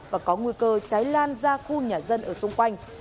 và có nguy cơ cháy lan ra khu nhà dân ở xung quanh